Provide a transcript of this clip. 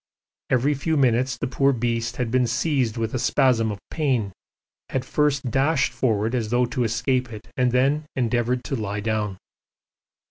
Every few minutes the poor beast had been seized with a spasm of pain, had first dashed forward as though to escape it and then endeavoured to lie down.